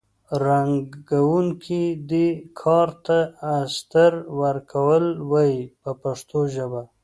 رنګوونکي دې کار ته استر ورکول وایي په پښتو ژبه.